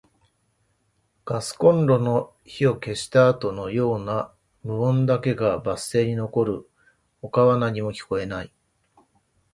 ガスコンロの火を消したあとのような無音だけがバス停に残る。他は何も聞こえない。